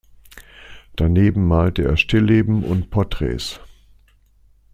Daneben malte er Stillleben und Porträts.